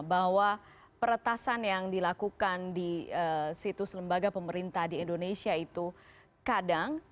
bahwa peretasan yang dilakukan di situs lembaga pemerintah di indonesia itu kadang